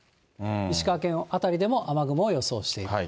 石川県辺りでも雨雲を予想していると。